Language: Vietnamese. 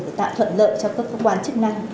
để tạo thuận lợi cho các cơ quan chức năng